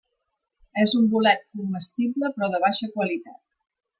És un bolet comestible però de baixa qualitat.